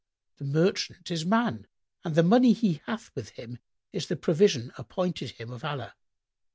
The merchant is man and the money he hath with him is the provision appointed him of Allah.